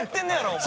お前。